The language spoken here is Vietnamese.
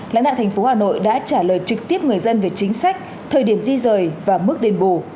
lãnh đạo thành phố hà nội đã trả lời trực tiếp người dân về chính sách thời điểm di rời và mức đền bù